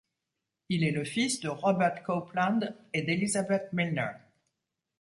Il est le fils de Robert Copeland et d'Elizabeth Milner.